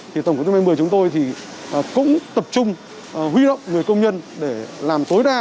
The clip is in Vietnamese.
thì tổng thống người chúng tôi thì cũng tập trung huy động người công nhân để làm tối đa